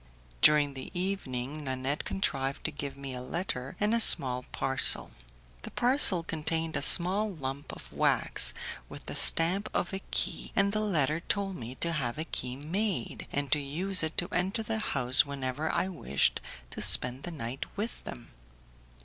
During the evening Nanette contrived to give me a letter and a small parcel. The parcel contained a small lump of wax with the stamp of a key, and the letter told me to have a key made, and to use it to enter the house whenever I wished to spend the night with them.